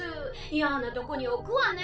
嫌ぁなとこに置くわね。